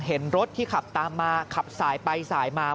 เห็นรถที่ขับตามมาขับสายไปสายมา